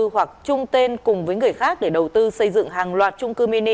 hoặc trung tên cùng với người khác để đầu tư xây dựng hàng loạt trung cư mini